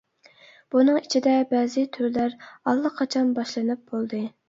بۇنىڭ ئىچىدە بەزى تۈرلەر ئاللىقاچان باشلىنىپ بولدى.